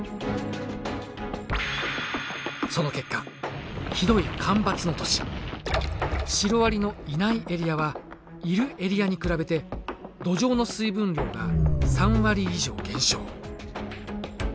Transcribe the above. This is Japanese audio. その結果ひどい干ばつの年シロアリのいないエリアはいるエリアに比べて土壌の水分量が３割以上減少。